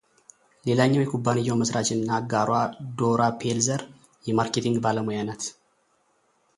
ሌላኛው የኩባንያው መሥራች እና አጋሯ ዶራ ፔልዘር የማርኬቲንግ ባለሙያ ናት።